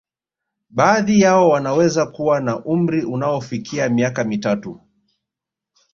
Baadhi yao wanaweza kuwa na umri unaofikia miaka mitatu